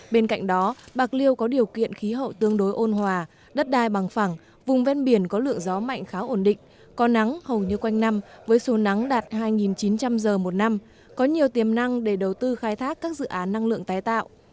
bên cạnh đó bạc liêu có điều kiện khí hậu tương đối ôn hòa đất đai bằng phẳng vùng ven biển có lượng gió mạnh khá ổn định có nắng hầu như quanh năm với số nắng đạt hai chín trăm linh giờ một năm có nhiều tiềm năng để đầu tư khai thác các dự án năng lượng tái tạo